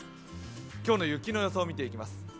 今日の雪の予想を見ていきます。